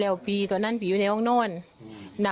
แล้วพี่ตอนนั้นพี่อยู่ในห้องนอนอยู่ในห้องนอน